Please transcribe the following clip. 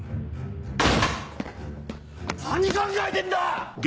何考えてんだ‼